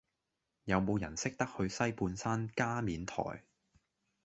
有無人識得去西半山加冕臺